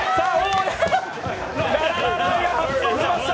ラララライが発動しました！